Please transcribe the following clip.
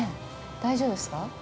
大丈夫ですか。